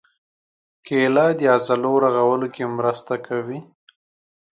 کېله د عضلو رغولو کې مرسته کوي.